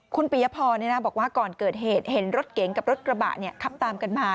คุณปียพรบอกว่าก่อนเกิดเหตุเห็นรถเก๋งกับรถกระบะขับตามกันมา